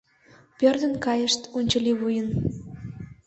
Пӧрдын кайышт унчыливуйын...